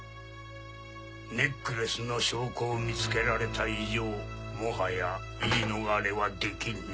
ネックレスの証拠を見つけられた以上もはや言い逃れはできんな。